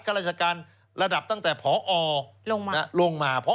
ราชการระดับตั้งแต่พอลงมา